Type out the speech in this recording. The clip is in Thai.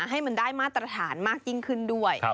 ให้มันได้มาตรฐานมากยิ่งขึ้นด้วย